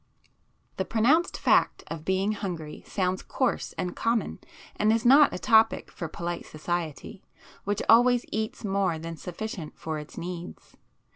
The pronounced fact of being hungry sounds coarse and common, and is not a topic for polite society, which always eats more than sufficient for its needs.